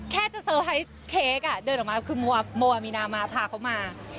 แค่จะเซอร์ไพรส์เค้กเดินออกมาคือมัวมีนามาพาเขามา